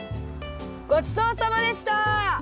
ごちそうさまでした！